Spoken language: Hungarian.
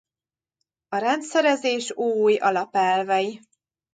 A rendszerezés új alapelvei.